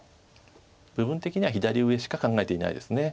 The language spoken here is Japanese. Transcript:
部分的には左上しか考えていないです。